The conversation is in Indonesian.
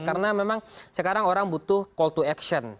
karena memang sekarang orang butuh call to action